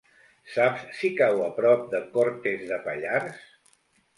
Saps si cau a prop de Cortes de Pallars?